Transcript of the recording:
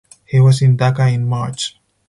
He was in Dhaka in March.